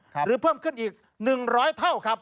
หรือเพิ่มขึ้นอีก๑๐๐เท่าครับ